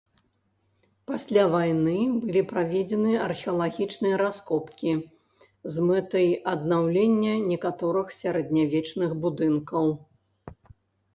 Пасля вайны былі праведзены археалагічныя раскопкі з мэтай аднаўлення некаторых сярэднявечных будынкаў.